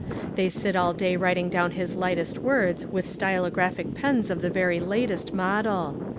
They sit all day writing down his lightest words with stylo graphic pens of the very latest model.